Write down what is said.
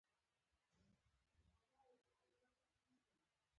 لاددی دتودوخاورو، سره ګلونه راغوړیږی